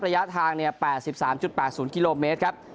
ระยะทางเนี่ยแปดสิบสามจุดแปดศูนย์กิโลเมตรครับ